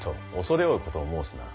畏れ多いことを申すな。